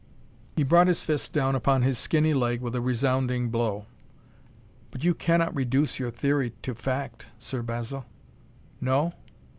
He brought his fist down upon his skinny leg with a resounding blow. "But you cannot reduce your theory to fact, Sir Basil!" "No?"